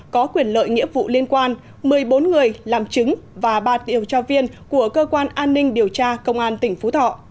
có quyền lợi nghĩa vụ liên quan một mươi bốn người làm chứng và ba điều tra viên của cơ quan an ninh điều tra công an tỉnh phú thọ